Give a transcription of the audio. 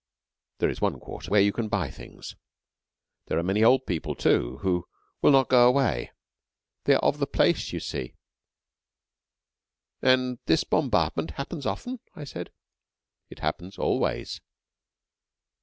(There is one quarter where you can buy things.) There are many old people, too, who will not go away. They are of the place, you see." "And this bombardment happens often?" I said. "It happens always.